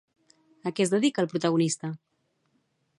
A què es dedica el protagonista?